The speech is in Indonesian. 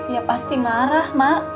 ya pasti marah mak